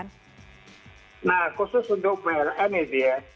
nah khusus untuk pln ya dia